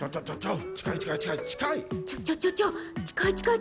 ちょちょちょちょ近い近い。